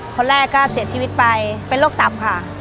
คนแรกก็เสียชีวิตไปเป็นโรคต่ำค่ะ